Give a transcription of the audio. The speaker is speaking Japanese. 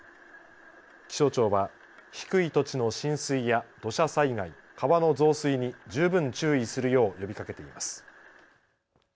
気象庁は低い土地の浸水や土砂災害、川の増水に十分注意するよう呼びかけています。